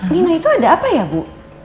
nino itu ada apa ya bu